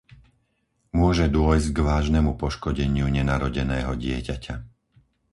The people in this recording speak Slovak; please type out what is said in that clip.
Môže dôjsť k vážnemu poškodeniu nenarodeného dieťaťa.